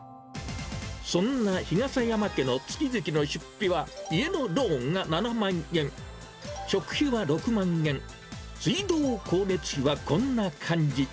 そんな日笠山家の月々の出費は家のローンが７万円、食費は６万円、水道光熱費はこんな感じ。